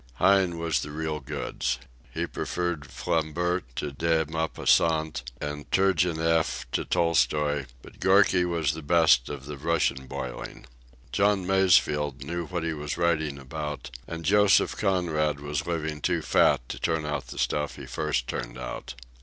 Heine was the real goods. He preferred Flaubert to de Maupassant, and Turgenieff to Tolstoy; but Gorky was the best of the Russian boiling. John Masefield knew what he was writing about, and Joseph Conrad was living too fat to turn out the stuff he first turned out.